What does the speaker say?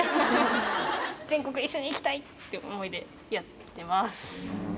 全国一緒に行きたいっていう思いでやってます。